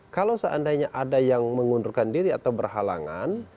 kalau seandainya ada yang mengundurkan diri atau berhalangan